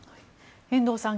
遠藤さん